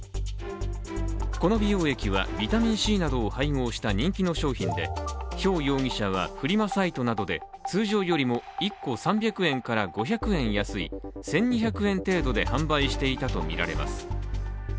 この美容液はビタミンＣなどを配合した人気の商品でヒョウ容疑者はフリマサイトなどで通常よりも１個３００円から５００円安い１２００円程度で販売していたとみられます。